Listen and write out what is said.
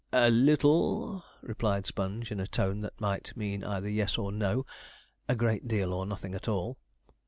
'A little,' replied Sponge, in a tone that might mean either yes or no a great deal or nothing at all.